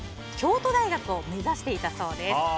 京都大学を目指していたそうです。